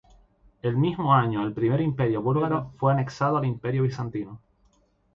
Ese mismo año el Primer Imperio búlgaro fue anexado al Imperio bizantino.